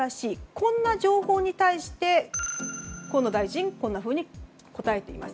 こんな情報に対して、河野大臣はこのように答えています。